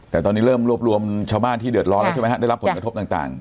แต่ตอนนี้เริ่มรวบรวมชาวบ้านที่เดือดร้อนแล้วใช่ไหมฮะได้รับผลกระทบต่าง